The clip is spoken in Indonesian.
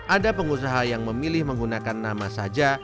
ada pengusaha yang memilih menggunakan nama saja